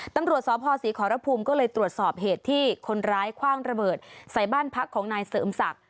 ตำรวจสพศรีขอรภูมิก็เลยตรวจสอบเหตุที่คนร้ายคว่างระเบิดใส่บ้านพักของนายเสริมศักดิ์